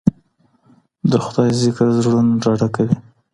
د خدای ذکر زړونه ډاډه کوي